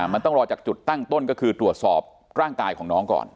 มันต้องรอจากจุดตั้งต้นก็คือตรวจสอบร่างกายของน้องก่อน